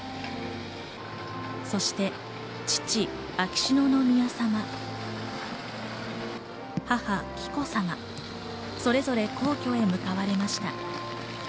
そして父・秋篠宮さま、母・紀子さま、それぞれ、皇居へ向かわれました。